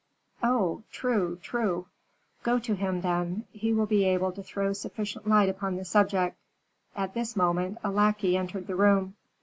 "Oh! true, true!" "Got to him, then. He will be able to throw sufficient light upon the subject." At this moment a lackey entered the room.